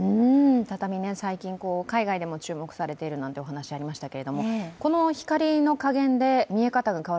畳、最近、海外でも注目されているという話がありましたが。